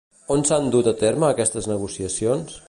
On s'han dut a terme aquestes negociacions?